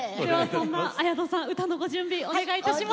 そんな綾戸さん歌のご準備お願いいたします。